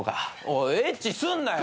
おいエッチすんなよ。